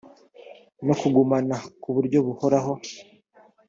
no kugumana ku buryo buhoraho